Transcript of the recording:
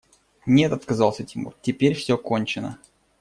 – Нет, – отказался Тимур, – теперь все кончено.